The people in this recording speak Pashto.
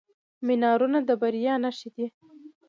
منارونه د بریا نښې دي.